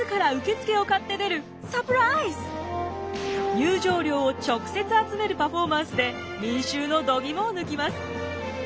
入場料を直接集めるパフォーマンスで民衆の度肝を抜きます。